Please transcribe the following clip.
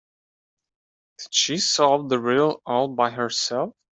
Did she solve the riddle all by herself?